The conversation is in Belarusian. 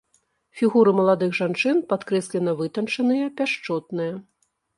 Фігуры маладых жанчын падкрэслена вытанчаныя, пяшчотныя.